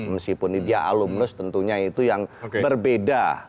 meskipun ini dia alumnus tentunya itu yang berbeda